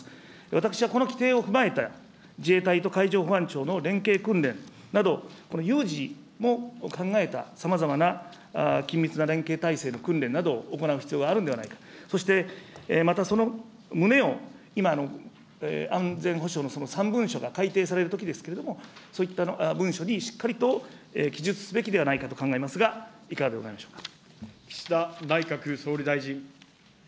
私はこの規定を踏まえた自衛隊と海上保安庁の連携訓練など、この有事も考えた、さまざまな緊密な連携体制の訓練などを行う必要があるんではないか、そして、またその旨を、今、安全保障の３文書が改訂されるときですけれども、そういった文書にしっかりと記述すべきではないかと考えますが、いかがでござい岸田内閣総理大臣。